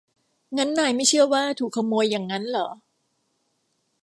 งั้นนายไม่เชื่อว่าถูกขโมยหยั่งงั้นหรอ